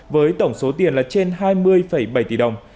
với tổng số tiền là trên hai mươi bảy tỷ đồng